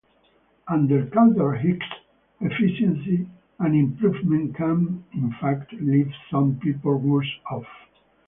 Under Kaldor-Hicks efficiency, an improvement can in fact leave some people worse off.